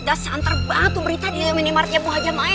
dah santar banget tuh berita di minimartnya bu haja main